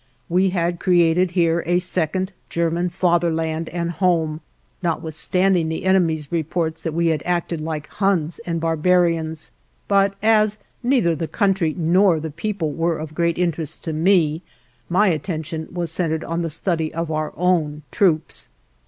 We had created here a second German fatherland and home, notwithstanding the enemy's reports that we had acted like Huns and barbarians, but as neither the country nor the people were of great interest to me my attention was centered on the study of our own troops.